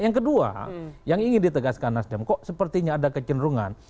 yang kedua yang ingin ditegaskan nasdem kok sepertinya ada kecenderungan